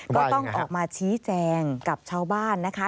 ก็ต้องออกมาชี้แจงกับชาวบ้านนะคะ